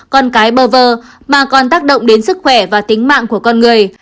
con cái bơ vơ mà còn tác động đến sức khỏe và tính mạng của con người